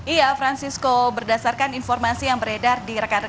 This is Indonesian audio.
iya francisco berdasarkan informasi yang beredar di rekan rekan